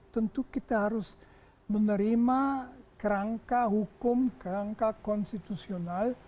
tentu kita harus menerima kerangka hukum kerangka konstitusional